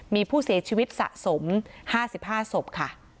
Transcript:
มีผู้เสียชีวิตสะสม๕๕ศพค่ะ